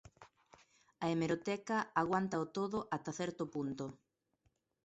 A hemeroteca aguántao todo ata certo punto.